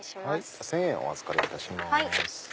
１０００円お預かりいたします。